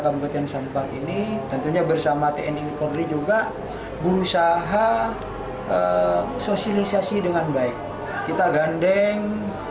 kabupaten sampang ini tentunya bersama tni polri juga berusaha sosialisasi dengan baik kita gandeng